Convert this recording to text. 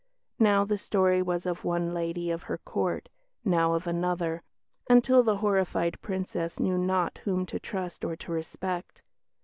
Now the story was of one lady of her Court, now of another, until the horrified Princess knew not whom to trust or to respect.